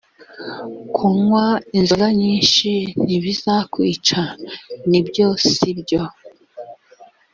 kunywa inzoga nyinshi ntibizakwica‽ ni byo si byo‽